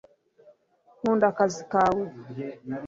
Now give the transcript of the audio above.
Nkunda akazi kawe